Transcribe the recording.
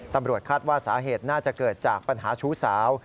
ตำรวจคาดว่าสาเหตุน่าจะเกิดจากปัญหาชู้สาว